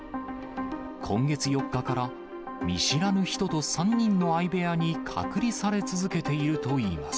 今月４日から、見知らぬ人と３人の相部屋に隔離され続けているといいます。